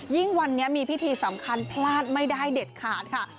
ยิ่งวันนี้มีพิธีสำคัญพลาดไม่ได้เด็ดขาดค่ะ